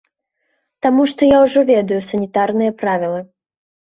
Таму што я ўжо ведаю санітарныя правілы.